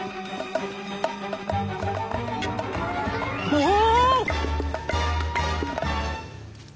・うわ！